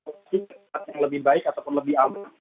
warga di lima tower yang lebih baik ataupun lebih aman